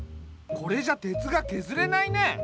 これじゃ鉄がけずれないね。